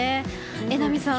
榎並さん